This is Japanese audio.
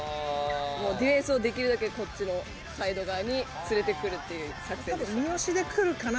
ディフェンスをできるだけこっちのサイド側に連れてくるっていう作戦です。